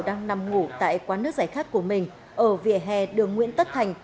đang nằm ngủ tại quán nước giải khát của mình ở vỉa hè đường nguyễn tất thành